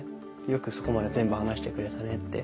よくそこまで全部話してくれたねって。